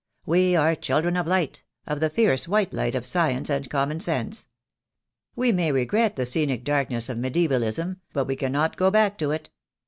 We are children of light — of the fierce white light of science and common sense. We may regret the scenic darkness of medievalism, but we can not go back to it.